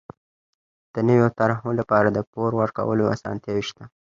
د نويو طرحو لپاره د پور ورکولو اسانتیاوې شته.